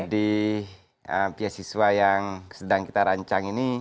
di beasiswa yang sedang kita rancang ini